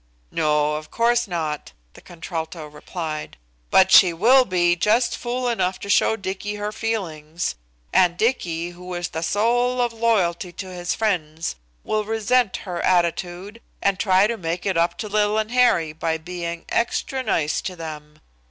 "No, of course not," the contralto replied; "but she will be just fool enough to show Dicky her feelings, and Dicky, who is the soul of loyalty to his friends, will resent her attitude and try to make it up to Lil and Harry by being extra nice to them.